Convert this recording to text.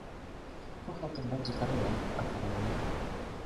Kochał tak bardzo Karola, a Karol jego.